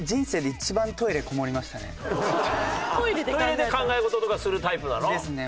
トイレで考え事とかするタイプなの？ですね